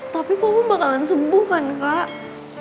tapi papa bakalan sembuh kan kak